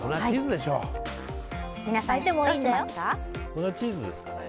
粉チーズですかね。